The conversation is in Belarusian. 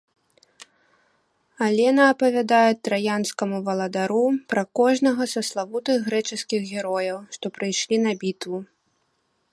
Алена апавядае траянскаму валадару пра кожнага са славутых грэчаскіх герояў, што прыйшлі на бітву.